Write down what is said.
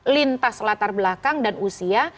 lintas latar belakang dan usia